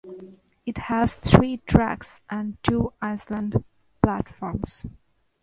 It has three tracks and two island platforms.